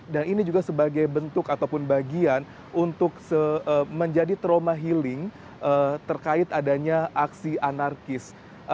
dan ini juga sebagai bentuk ataupun bagian untuk menjadi trauma healing terkait adanya aksi anarkis